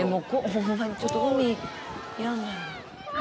「ホンマにちょっと海やだ」